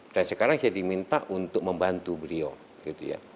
dan sekarang saya diminta untuk membantu beliau